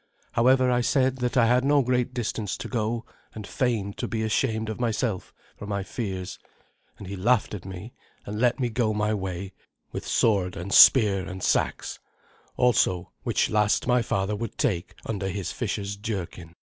However, I said that I had no great distance to go, and feigned to be ashamed of myself for my fears; and he laughed at me, and let me go my way with sword and spear and seax also, which last my father would take under his fisher's jerkin.